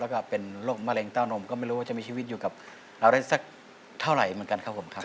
แล้วก็เป็นโรคมะเร็งเต้านมก็ไม่รู้ว่าจะมีชีวิตอยู่กับเราได้สักเท่าไหร่เหมือนกันครับผมครับ